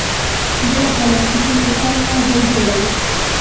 زه له پلاستيکي بوتل نه ګل جوړوم.